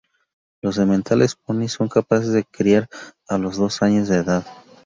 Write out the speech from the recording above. Los sementales poni son capaces de criar a los dos años de edad.